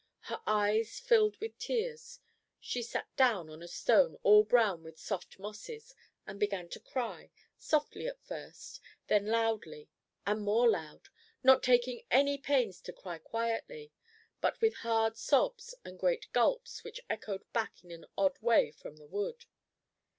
Her eyes filled with tears. She sat down on a stone all brown with soft mosses, and began to cry, softly at first, then loudly and more loud, not taking any pains to cry quietly, but with hard sobs and great gulps which echoed back in an odd way from the wood.